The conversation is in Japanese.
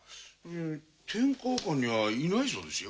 はぁ天河館にはいないそうですよ。